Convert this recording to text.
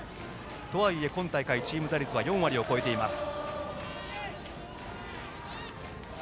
とはいえ今大会チーム打率は４割を超えています。